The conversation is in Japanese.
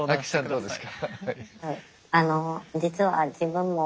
どうですか？